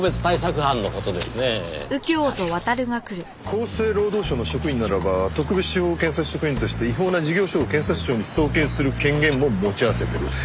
厚生労働省の職員ならば特別司法警察職員として違法な事業所を検察庁に送検する権限も持ち合わせている。